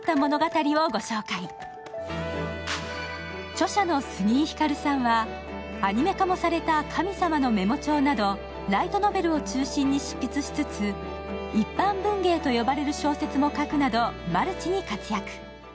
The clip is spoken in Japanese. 著者の杉井光さんはアニメ化もされた「神様のメモ帳」などライトノベルを中心に執筆しつつ一般文芸と呼ばれる小説も書くなど、マルチに活躍。